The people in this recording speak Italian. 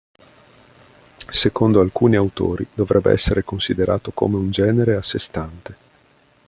Secondo alcuni autori dovrebbe essere considerato come un genere a sé stante.